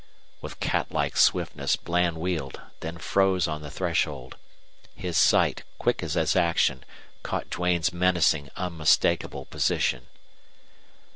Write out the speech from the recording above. With cat like swiftness Bland wheeled, then froze on the threshold. His sight, quick as his action, caught Duane's menacing unmistakable position.